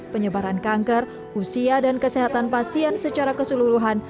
penyebaran kanker usia dan kesehatan pasien secara keseluruhan